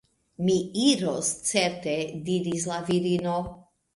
Mi iros certe, diris la virino.